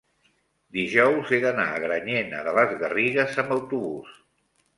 dijous he d'anar a Granyena de les Garrigues amb autobús.